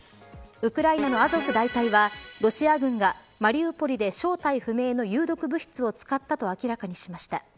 ウクライナのアゾフ大隊はロシア軍がマリウポリで正体不明の有毒物質を使ったと明らかにしました。